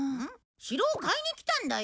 城を買いに来たんだよ。